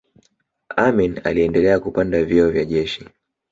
amin aliendelea kupanda vyeo vya jeshi